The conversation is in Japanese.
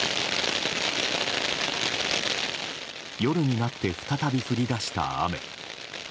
夜になって再び降り出した雨。